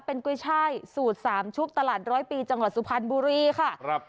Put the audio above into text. เป็นกุ้ยช่ายสูตรสามชุบตลาดร้อยปีจังหวัดสุพรรณบุรีค่ะครับ